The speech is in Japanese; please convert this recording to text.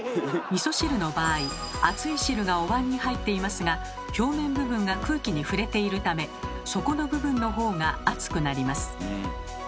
みそ汁の場合熱い汁がおわんに入っていますが表面部分が空気に触れているため底の部分の方が熱くなります。